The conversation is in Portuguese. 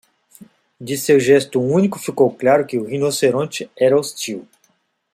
De seu gesto único, ficou claro que o rinoceronte era hostil.